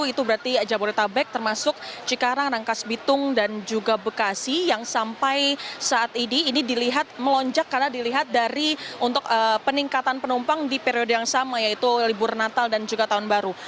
itu berarti jabodetabek termasuk cikarang rangkas bitung dan juga bekasi yang sampai saat ini ini dilihat melonjak karena dilihat dari untuk peningkatan penumpang di periode yang sama yaitu libur natal dan juga tahun baru